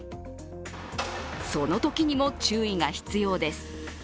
そのときにも注意が必要です。